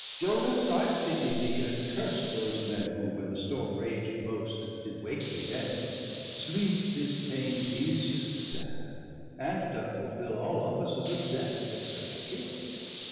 Ionas, I pitty thee, and curse those men, Who when the storm rag'd most, did wake thee then; Sleepe is paines easiest salue, and doth fullfill 35 All offices of death, except to kill.